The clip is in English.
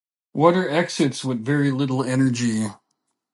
Water exits with very little energy.